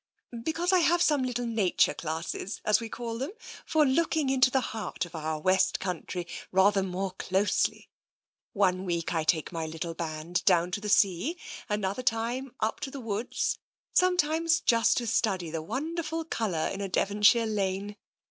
" Because I have some little nature classes, as we call them, for looking into the heart of our West Country rather more closely. One week I take my little band down to the sea, another time up to the 54 TENSION woods, sometimes just to study the wonderful colour in a Devonshire lane.